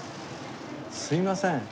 すいません。